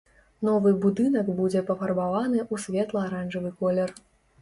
Новы будынак будзе пафарбаваны ў светла-аранжавы колер.